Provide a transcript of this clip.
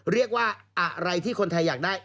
เรียกว่าอะไรที่คนไทยอยากได้